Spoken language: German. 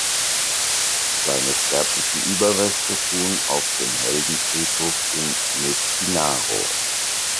Seine sterblichen Überreste ruhen auf dem Heldenfriedhof in Metinaro.